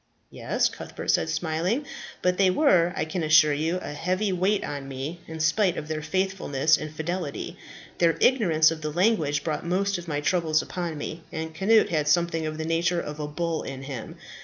"Yes," Cuthbert said, smiling, "But they were, I can assure you, a heavy weight on me, in spite of their faithfulness and fidelity. Their ignorance of the language brought most of my troubles upon me, and Cnut had something of the nature of a bull in him.